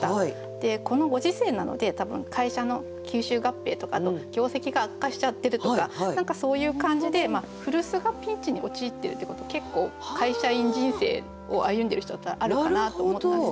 でこのご時世なので多分会社の吸収合併とかあと業績が悪化しちゃってるとか何かそういう感じで古巣がピンチに陥ってるってこと結構会社員人生を歩んでる人だったらあるかなと思ったんです。